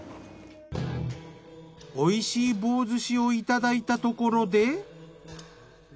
おいしい棒寿司をいただいたところで。